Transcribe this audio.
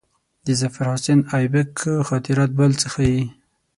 د ظفرحسن آیبک خاطرات بل څه ښيي.